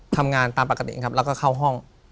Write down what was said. ตามปรากฏเองครับแล้วก็เข้าห้อง